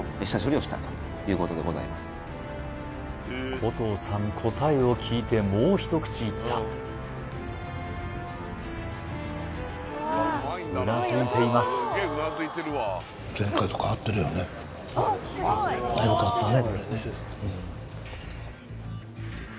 古藤さん答えを聞いてもう一口いったうなずいていますそうですねだいぶ変わったね